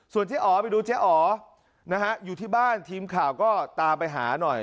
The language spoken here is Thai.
เจ๊อ๋อไปดูเจ๊อ๋อนะฮะอยู่ที่บ้านทีมข่าวก็ตามไปหาหน่อย